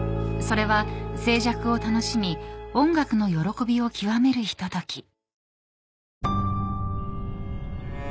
［それは静寂を楽しみ音楽の喜びを極めるひととき］